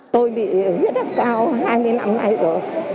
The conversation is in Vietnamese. tôi bị huyết áp cao hai mươi năm nay rồi